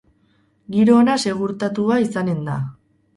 Giro ona segurtatua izanen da!